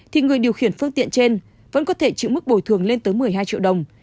thì người điều khiển phương tiện trên vẫn có thể chịu mức bồi thường lên tới một mươi hai triệu đồng